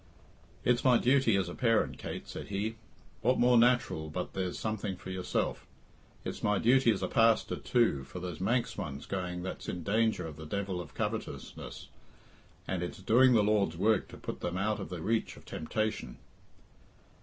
"It's my duty as a parent, Kate," said he. "What more natural but there's something for yourself? It's my duty as a pastor, too, for there's Manx ones going that's in danger of the devil of covetousness, and it's doing the Lord's work to put them out of the reach of temptation.